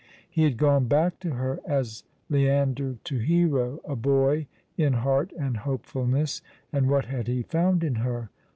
He had gone back to her as Leander to Hero, a boy in heart and hopefulness ; and what had he found in her